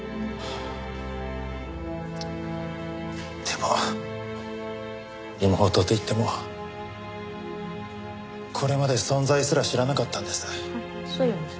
でも妹といってもこれまで存在すら知らなかったんです。